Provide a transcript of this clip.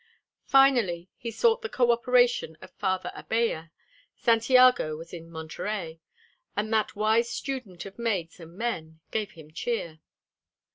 Finally, he sought the co operation of Father Abella Santiago was in Monterey and that wise student of maids and men gave him cheer.